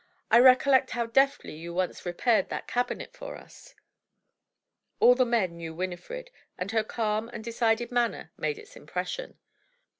I recollect how deftly you once repaired that cabinet for us." All the men knew Winifred, and her calm and decided manner made its impression.